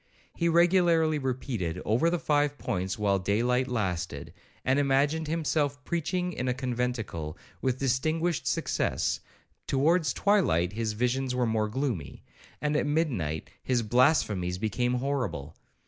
He regularly repeated over the five points while day light lasted, and imagined himself preaching in a conventicle with distinguished success; towards twilight his visions were more gloomy, and at midnight his blasphemies became horrible.